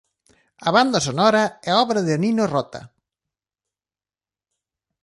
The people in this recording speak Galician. A banda sonora é obra de Nino Rota.